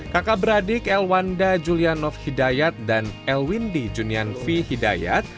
kakak beradik elwanda julianoff hidayat dan elwindi junian v hidayat